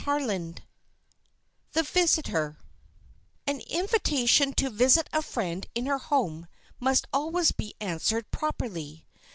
CHAPTER XVIII THE VISITOR AN invitation to visit a friend in her home must always be answered promptly.